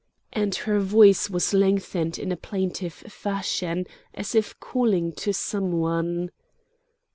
and her voice was lengthened in a plaintive fashion as if calling to some one.